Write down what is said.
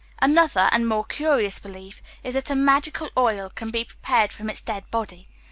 Another, and more curious belief is that a magical oil can be prepared from its dead body.